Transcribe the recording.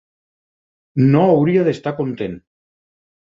No hauria d"estar content.